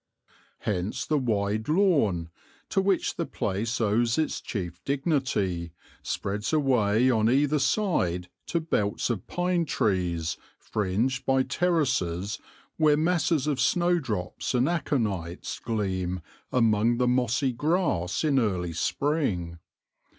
Hence the wide lawn, to which the place owes its chief dignity, spreads away on either side to belts of pine trees, fringed by terraces, where masses of snowdrops and aconites gleam amongst the mossy grass in early spring.